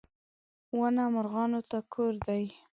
• ونه مرغانو ته کور دی.